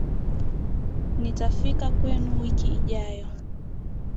Nitafika kwenu wiki ijayo